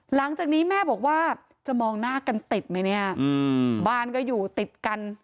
หลังจากนี้แม่บอกว่าจะมองหน้ากันติดไหมเนี่ยบ้านก็อยู่ติดกัน